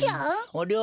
ありゃ？